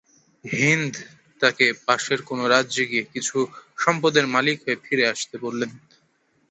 হিন্দ তাকে পাশের কোন রাজ্যে গিয়ে কিছু সম্পদের মালিক হয়ে ফিরে আসতে বললেন।